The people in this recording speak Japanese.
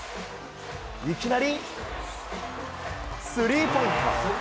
いきなりスリーポイント。